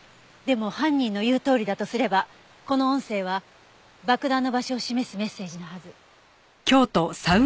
でも犯人の言うとおりだとすればこの音声は爆弾の場所を示すメッセージのはず。